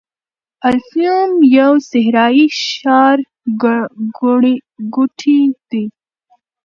الفیوم یو صحرايي ښارګوټی دی.